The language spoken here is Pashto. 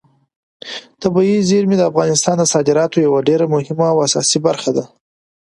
طبیعي زیرمې د افغانستان د صادراتو یوه ډېره مهمه او اساسي برخه ده.